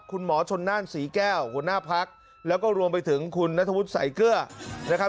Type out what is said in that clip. คุณหมอชนน่านศรีแก้วหัวหน้าพักแล้วก็รวมไปถึงคุณนัทวุฒิใส่เกลือนะครับ